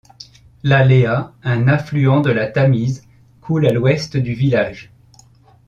La Lea, un affluent de la Tamise, coule à l'ouest du village.